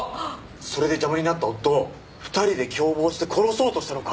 それで邪魔になった夫を２人で共謀して殺そうとしたのか。